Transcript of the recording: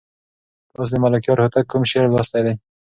تاسو د ملکیار هوتک کوم شعر لوستی دی؟